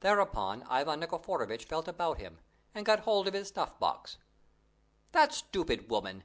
Thereupon Ivan Nikiforovitch felt about him, and got hold of his snuff box. "That stupid woman!